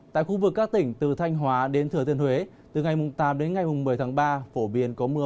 tại khu vực các tỉnh từ thanh hóa đến thừa thiên huế từ ngày tám đến ngày một mươi tháng ba phổ biến có mưa